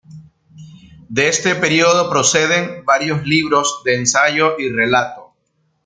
De este período proceden varios libros de ensayo y relato.